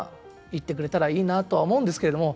いってくれたらいいなとは思うんですけれども。